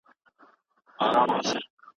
که استاد مرسته ونه کړي شاګرد پاته کېږي.